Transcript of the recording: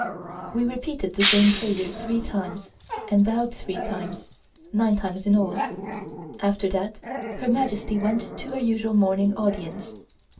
We repeated the same prayer three times, and bowed three times nine times in all. After that Her Majesty went to her usual morning audience.